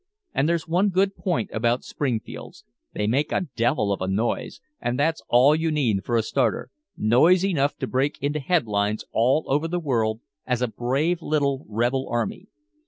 And there's one good point about Springfields, they make a devil of a noise and that's all you need for a starter, noise enough to break into headlines all over the world as a 'Brave Little Rebel Army.'